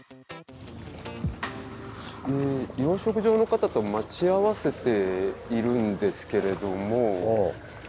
養殖場の方と待ち合わせているんですけれども。